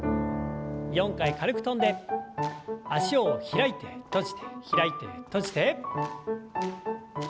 ４回軽く跳んで脚を開いて閉じて開いて閉じて。